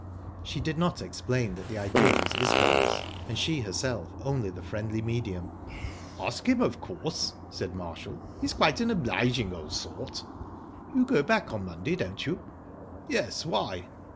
She did not explain that the idea was Isbel's, and she herself only the friendly medium. "Ask him, of course," said Marshall. "He's quite an obliging old sort." "You go back on Monday, don't you?" "Yes. Why?"